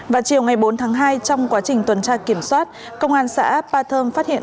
vào chiều ngày bốn tháng hai trong quá trình tuần tra kiểm soát công an xã ba thơm phát hiện